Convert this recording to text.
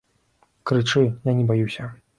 Крычы, я не баюся.